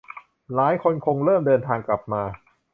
หลายคนคงเริ่มเดินทางกลับมา